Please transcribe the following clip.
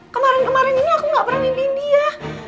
kemarin kemarin ini aku gak pernah mimpiin dia